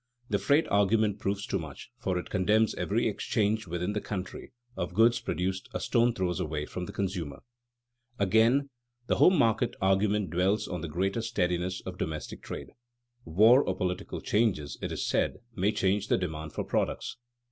The freight argument proves too much, for it condemns every exchange, within the country, of goods produced a stone's throw away from the consumer. [Sidenote: As to security of trade] Again, the home market argument dwells on the greater steadiness of domestic trade. War or political changes, it is said, may change the demand for products.